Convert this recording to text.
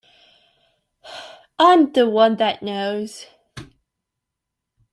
I'm the one that knows.